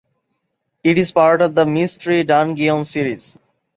It is part of the "Mystery Dungeon" series.